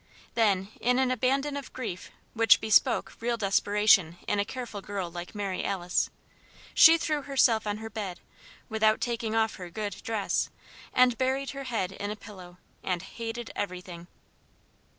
Then, in an abandon of grief which bespoke real desperation in a careful girl like Mary Alice, she threw herself on her bed without taking off her "good" dress and buried her head in a pillow, and hated everything.